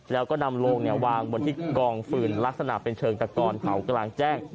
แล้วก็นำโลงวางบนที่กองฟืนลักษณะเป็นเชิงตะกอนเผากลางแจ้ง